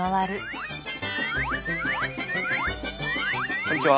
こんにちは。